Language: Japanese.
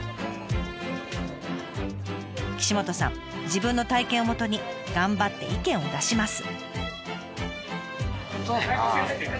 自分の体験をもとに頑張って意見を出します。